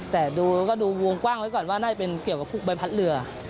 แต่ดูก็ดูวงกว้างไว้ก่อนว่าน่าจะเป็นเกี่ยวกับพวกใบพัดเรือ